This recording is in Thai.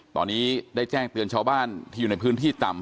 ตอนนี้ได้แจ้งเตือนชาวบ้านที่อยู่ในพื้นที่ต่ำ